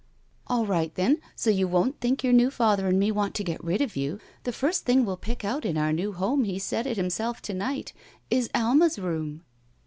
All right, then, so you won't think your new father and me want to get rid of you, the first thing we'll pick out in our new home, he said it himself to night, 'is Alma's room.'"